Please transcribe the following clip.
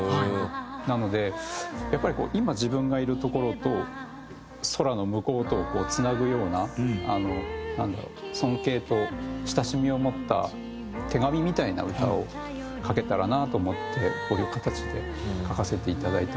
なのでやっぱりこう今自分がいる所と空の向こうとをつなぐような尊敬と親しみを持った手紙みたいな歌を書けたらなと思ってこういう形で書かせていただいたんですけど。